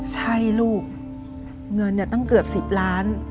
ใช่ลูกเงินเนี่ยตั้งเกือบสิบล้าน